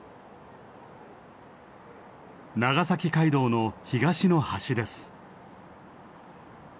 長崎街道の東の端です。